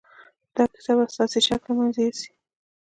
دا کیسه به ستاسې شک له منځه یوسي